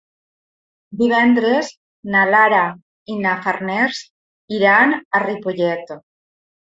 Divendres na Lara i na Farners iran a Ripollet.